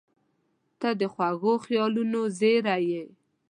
• ته د خوږو خیالونو زېری یې.